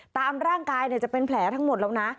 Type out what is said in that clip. ตามร่างกายจะเป็นแผลทั้งหมดแล้วนะ